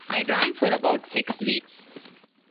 I drank for about six weeks.